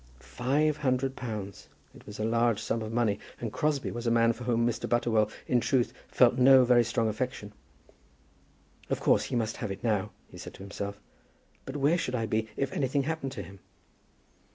Five hundred pounds! It was a large sum of money, and Crosbie was a man for whom Mr. Butterwell in truth felt no very strong affection. "Of course he must have it now," he said to himself. "But where should I be if anything happened to him?"